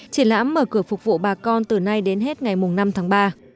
triển lãm mở cửa phục vụ bà con từ nay đến hết ngày năm tháng ba